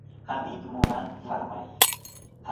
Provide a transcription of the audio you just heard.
که په املا کي له متلونو ګټه واخیستل سي.